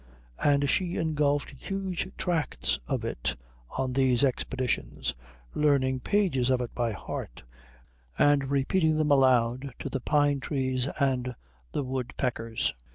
and she engulfed huge tracts of it on these expeditions, learning pages of it by heart and repeating them aloud to the pine trees and the woodpeckers.